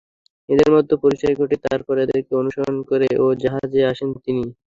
ওদের মধ্যে পরিচয় ঘটিয়ে তারপর ওদেরকে অনুসরণ করে এই জাহাজে আসেন তিনি।